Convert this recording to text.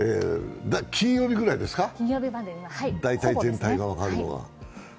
金曜日ぐらいですか、大体全体が分かるのは。